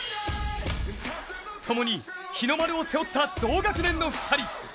ともに、日の丸を背負った同学年の２人。